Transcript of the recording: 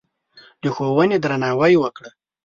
د ښوونې درناوی وکړه.